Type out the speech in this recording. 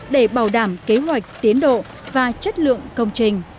để bảo đảm kế hoạch tiến độ và chất lượng